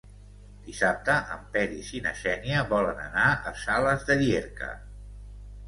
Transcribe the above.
Dissabte en Peris i na Xènia volen anar a Sales de Llierca.